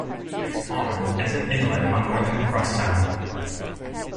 Dicks Arm is an inlet on northern Cross Sound.